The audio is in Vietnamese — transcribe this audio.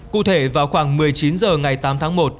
cụ thể vào khoảng một mươi chín h ngày tám tháng một